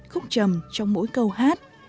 khúc trầm trong mỗi câu hát